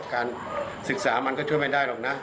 การศึกษามันก็ช่วยไม่ได้หรอกนะ